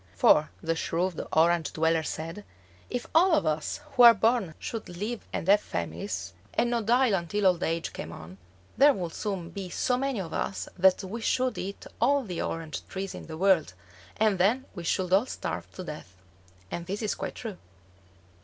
For, the shrewd Orange dweller said, if all of us who are born should live and have families, and not die until old age came on, there would soon be so many of us that we should eat all the orange trees in the world, and then we should all starve to death. And this is quite true.